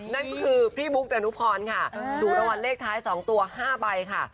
นั่นก็คือพี่มุกดานุพรค่ะถูกรางวัลเลขท้าย๒ตัว๕ใบค่ะ